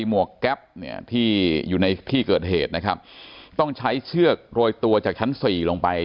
หวกแก๊ปเนี่ยที่อยู่ในที่เกิดเหตุนะครับต้องใช้เชือกโรยตัวจากชั้นสี่ลงไป